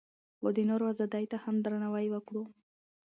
خو د نورو ازادۍ ته هم درناوی وکړو.